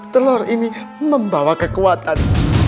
telur ini membawa kekuatan